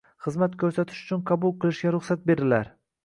Xizmat koʻrsatish uchun qabul qilishga ruxsat berilar.